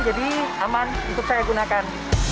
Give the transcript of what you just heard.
jadi aman untuk saya gunakan